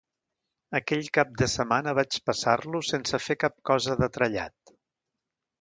Aquell cap de setmana vaig passar-lo sense fer cap cosa de trellat.